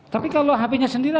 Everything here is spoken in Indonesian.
tapi kalau hp nya sendiri